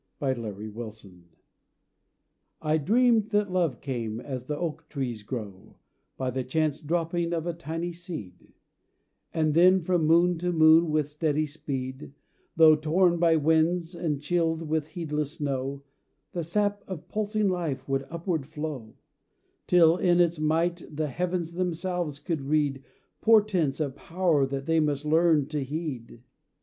THE COMING OF LOVE I dreamed that love came, as the oak trees grow, By the chance dropping of a tiny seed; And then from moon to moon with steady speed, Tho' torn by winds and chilled with heedless snow, The sap of pulsing life would upward flow, 'Till in its might the heavens themselves could read Portents of power that they must learn to heed.